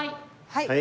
はい。